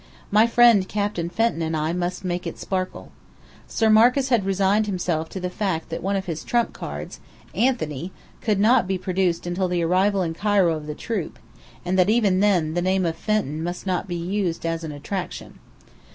My friend Captain Fenton and I must make it sparkle. Sir Marcus had resigned himself to the fact that one of his trump cards Anthony could not be produced until the arrival in Cairo of the troupe, and that even then, the name of Fenton must not be used as an attraction.